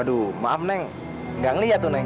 waduh maaf neng gak ngelihat tuh neng